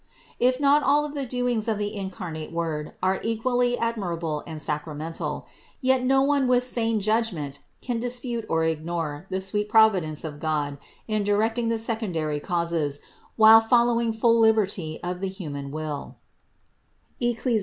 If not all of the doings of the incarnate Word are equally admirable and sacramental, yet no one with sane judg ment can dispute or ignore the sweet providence of God THE INCARNATION 525 in directing the secondary causes, while allowing full liberty to the human will (Eccli.